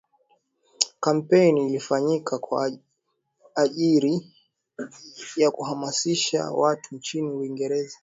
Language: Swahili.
kampeini ilifanyika kwa ajiri ya kuhamasisha watu nchini uingereza